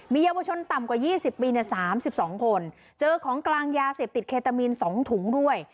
มีเยาวชนต่ำกว่ายี่สิบปีเนี่ยสามสิบสองคนเจอของกลางยาเสพติดเคตามีนสองถุงด้วย